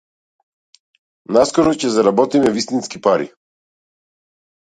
Наскоро ќе заработиме вистински пари.